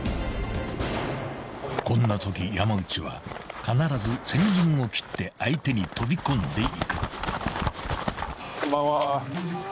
［こんなとき山内は必ず先陣を切って相手に飛び込んでいく］